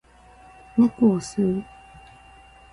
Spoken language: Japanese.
猫を吸う